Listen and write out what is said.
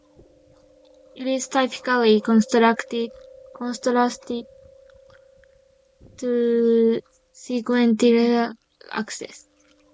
It is typically contrasted to sequential access.